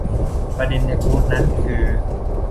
ประเด็นในโพสต์นั้นคือ